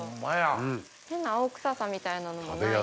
変な青臭さみたいなのもない。